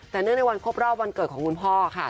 แต่เนื่องในวันครบรอบวันเกิดของคุณพ่อค่ะ